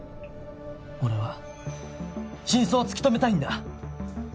俺は真相を突き止めたいんだ。